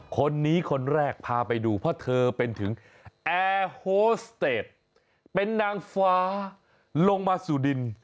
คนนี้คนแรกพาไปดูเพราะเธอเป็นถึงแอร์โฮสเตจเป็นนางฟ้าลงมาสู่ดิน